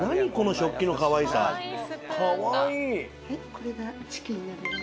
これがチキンになります。